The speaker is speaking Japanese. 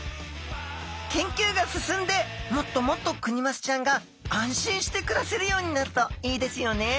研究が進んでもっともっとクニマスちゃんが安心して暮らせるようになるといいですよね。